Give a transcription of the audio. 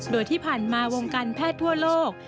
โดยที่ผ่านมาวงการแพทย์ทั่วโลก